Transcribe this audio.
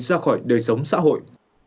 ra khỏi đời sống xã hội